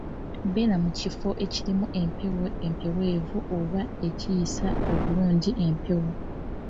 Beera mu kifo ekirimu empewo empeweevu oba ekiyisa obulungi empewo